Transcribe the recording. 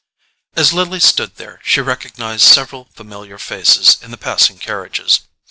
As Lily stood there, she recognized several familiar faces in the passing carriages.